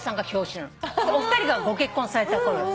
お二人がご結婚されたころ。